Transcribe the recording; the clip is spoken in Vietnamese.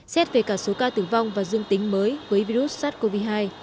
xét về cả số ca tử vong và dương tính mới với virus sars cov hai